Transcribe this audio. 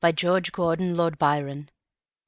George Gordon, Lord Byron 468.